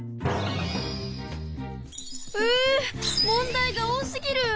う問題が多すぎる！